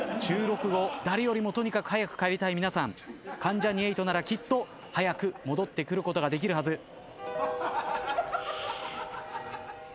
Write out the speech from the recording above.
収録後誰よりもとにかく早く帰りたい皆さん関ジャニ∞ならきっと早く戻ってくることができるはず。